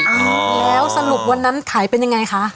อ้าวแล้วสรุปวันนั้นขายเป็นยังไงคะ